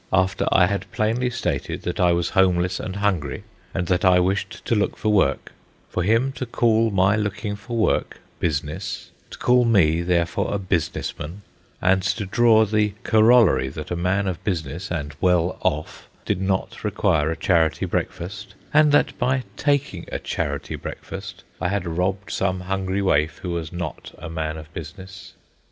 —after I had plainly stated that I was homeless and hungry, and that I wished to look for work, for him to call my looking for work "business," to call me therefore a business man, and to draw the corollary that a man of business, and well off, did not require a charity breakfast, and that by taking a charity breakfast I had robbed some hungry waif who was not a man of business.